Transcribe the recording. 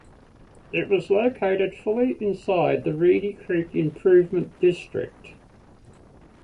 It was located fully inside the Reedy Creek Improvement District.